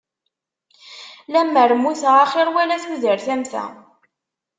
Lemmer mmuteɣ axir wala tudert am ta.